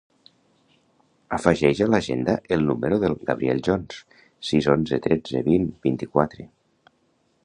Afegeix a l'agenda el número del Gabriel Jones: sis, onze, tretze, vint, vint-i-quatre.